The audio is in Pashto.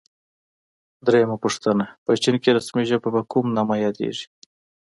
درېمه پوښتنه: په چین کې رسمي ژبه په کوم نامه یادیږي؟